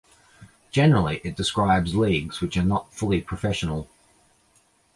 Generally it describes leagues which are not fully professional.